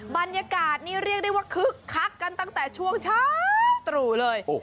บรรยากาศนี่เรียกได้ว่าคึกคักกันตั้งแต่ช่วงเช้าตรู่เลย